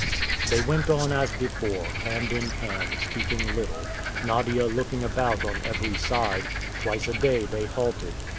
They went on as before, hand in hand, speaking little, Nadia looking about on every side; twice a day they halted.